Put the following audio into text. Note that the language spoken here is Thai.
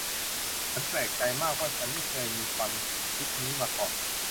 ฉันแปลกใจมากว่าฉันไม่เคยมีความคิดนี้มาก่อน